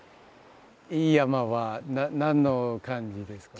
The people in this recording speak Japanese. いい山は何の感じですか？